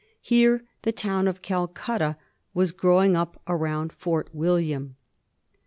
Here the town of Calcutta was grow ing up around Fort William.